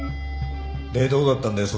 でどうだったんだよ？